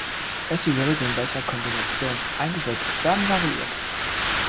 Welche Geräte in welcher Kombination eingesetzt werden, variiert.